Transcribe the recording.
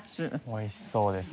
美味しそうですね。